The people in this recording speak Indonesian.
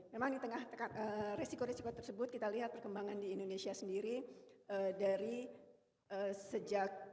memang di tengah resiko resiko tersebut kita lihat perkembangan di indonesia sendiri dari sejak